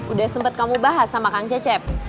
udah sempat kamu bahas sama kang cecep